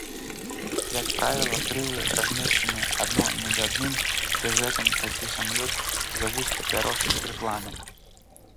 Як правіла, крылы размешчаныя адно над адным, пры гэтым такі самалёт завуць папярочным трыпланам.